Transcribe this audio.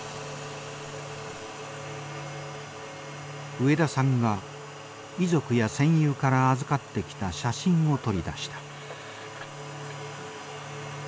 植田さんが遺族や戦友から預かってきた写真を取り出した。